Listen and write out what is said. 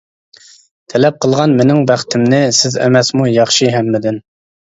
تەلەپ قىلغان مىنىڭ بەختىمنى، سىز ئەمەسمۇ ياخشى ھەممىدىن.